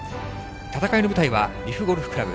戦いの舞台は、利府ゴルフ倶楽部。